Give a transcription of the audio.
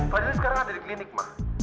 fadil sekarang ada di klinik mbak